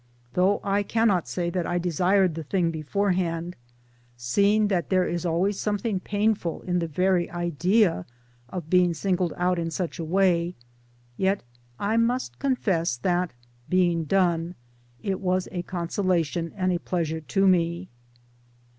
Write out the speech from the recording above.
Though I cannot say that I desired the thing beforeliand' seeing that there is always something! painful in the very idea of being" singled 1 out in any such' way yet I must confess that, being done, 'it was/ a consolation and a pleasure to me.